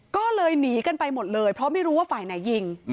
ก็เลยหนีกันไปหมดเลยเพราะไม่รู้ว่าฝ่ายไหนยิง